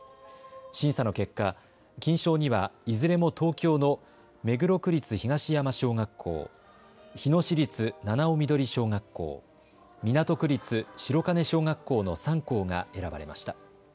審査の結果、金賞にはいずれも東京の目黒区立東山小学校、日野市立七生緑小学校、港区立白金小学校の３校が選ばれました。